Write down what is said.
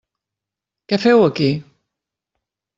Què feu aquí?